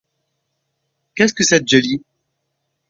Qu'est-ce que cette Djali?